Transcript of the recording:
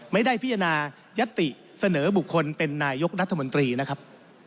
ไม่ได้พิจารณายัตติเสนอบุคคลเป็นนายกรัฐมนตรีนะครับ